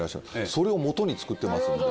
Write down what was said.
それを基に作ってますんで。